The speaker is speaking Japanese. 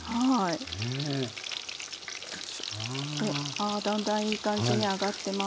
あだんだんいい感じに揚がってます。